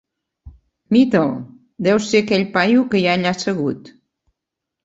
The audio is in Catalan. Mi-te'l, deu ser aquell paio que hi ha allà assegut.